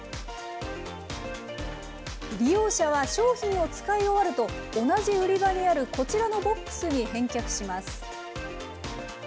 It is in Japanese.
利用者は商品を使い終わると、同じ売り場にあるこちらのボックスに返却します。